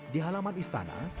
di halaman istana